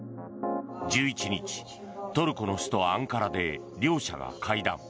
１１日、トルコの首都アンカラで両者が会談。